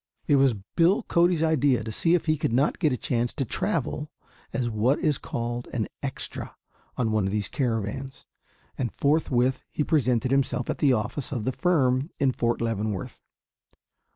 It was Bill Cody's idea to see if he could not get a chance to travel as what is called an "extra" on one of these caravans, and forthwith he presented himself at the office of the firm in Fort Leavenworth.